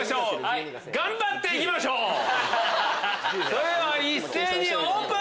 それでは一斉にオープン！